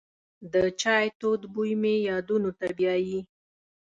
د چای تود بوی مې یادونو ته بیایي.